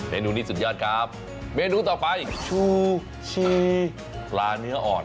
เนนูนี้สุดยอดครับเมนูต่อไปชูชีปลาเนื้ออ่อน